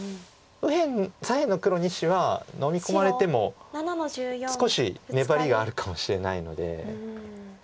左辺の黒２子はのみ込まれても少し粘りがあるかもしれないので。